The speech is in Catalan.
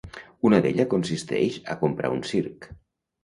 Una d'ella consisteix a comprar un circ.